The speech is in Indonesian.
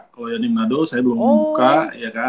kalau yang di manado saya belum membuka